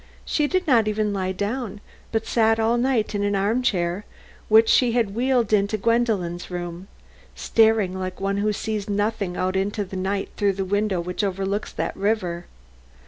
She did not even lie down, but sat all night in an arm chair which she had wheeled into Gwendolen's room, staring like one who sees nothing out into the night through the window which overlooks the river.